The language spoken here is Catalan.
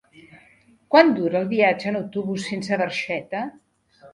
Quant dura el viatge en autobús fins a Barxeta?